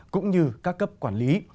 cũng như các cấp quản lý